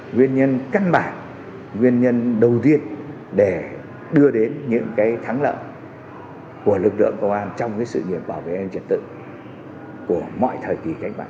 nguyên nhân căn bản nguyên nhân đầu tiên để đưa đến những cái thắng lợi của lực lượng công an trong cái sự nghiệp bảo vệ nhân dân trật tự của mọi thời kỳ cách mạng